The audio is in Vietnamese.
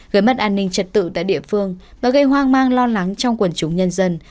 gây mất an ninh trật tự tại địa phương và gây hoang mang lo lắng trong quần chúng nhân dân